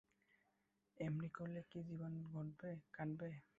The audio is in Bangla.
এমনি করেই কি জীবন কাটবে?